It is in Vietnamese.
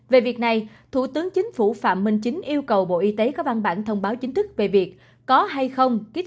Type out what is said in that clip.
về việc này thủ tướng chính phủ phạm minh chính yêu cầu bộ y tế có văn bản thông báo chính thức